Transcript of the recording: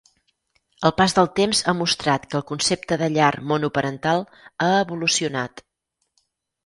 El pas del temps ha mostrat que el concepte de llar monoparental ha evolucionat.